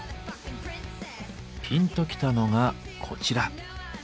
ピンときたのがこちら。